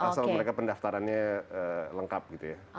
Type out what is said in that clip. asal mereka pendaftarannya lengkap gitu ya